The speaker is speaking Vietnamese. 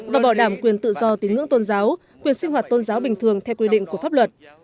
và bảo đảm quyền tự do tín ngưỡng tôn giáo quyền sinh hoạt tôn giáo bình thường theo quy định của pháp luật